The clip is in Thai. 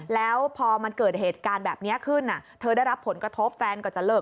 แล้วพอมันเกิดเหตุการณ์แบบนี้ขึ้นเธอได้รับผลกระทบแฟนก็จะเลิก